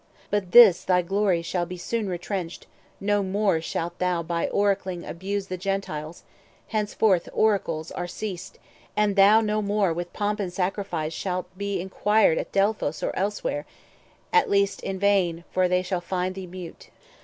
But this thy glory shall be soon retrenched; No more shalt thou by oracling abuse The Gentiles; henceforth oracles are ceased, And thou no more with pomp and sacrifice Shalt be enquired at Delphos or elsewhere— At least in vain, for they shall find thee mute.